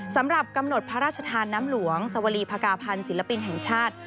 สำหรับกำหนดพระราชทานน้ำหลวงสวรีภากาพันธ์ศิลปินแห่งชาติ